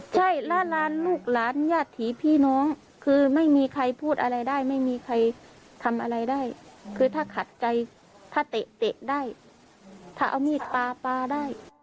ใช่แล้วร้านลูกหลานญาติผีพี่น้องคือไม่มีใครพูดอะไรได้ไม่มีใครทำอะไรได้คือถ้าขัดใจถ้าเตะได้ถ้าเอามีดปลาปลาได้